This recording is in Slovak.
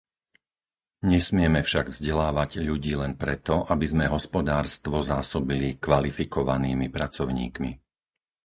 Nesmieme však vzdelávať ľudí len preto, aby sme hospodárstvo zásobili kvalifikovanými pracovníkmi.